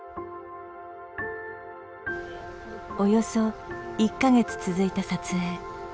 およそ１か月続いた撮影。